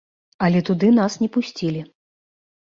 Але туды нас не пусцілі.